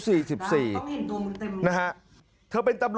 ไม่มีติดนะ